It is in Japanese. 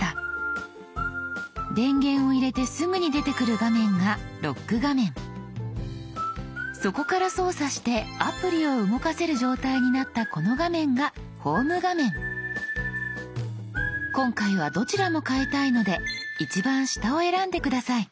電源を入れてすぐに出てくる画面がそこから操作してアプリを動かせる状態になったこの画面が今回はどちらも変えたいので一番下を選んで下さい。